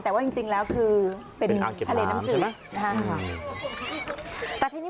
แต่ว่าจริงแล้วคือเป็นทะเลน้ำจืดนะฮะ